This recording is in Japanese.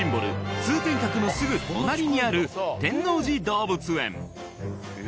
通天閣のすぐ隣にある天王寺動物園